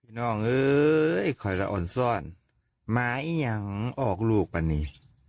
พี่น้อง่ค่อยละอ่อนซ่อนแม่อี๋ยังออกลูกป่านนี